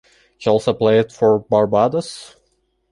He also played for Barbados.